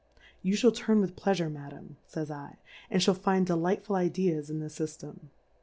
You Ihall turn with Pleafure, Madam, y^^'j /, and fliall find delightful Ideas in this Syftem.